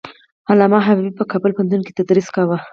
علامه حبيبي په کابل پوهنتون کې تدریس کاوه.